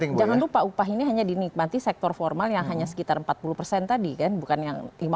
ya jangan lupa upah ini hanya dinikmati sektor formal yang hanya sekitar empat puluh persen tadi kan bukan yang lima puluh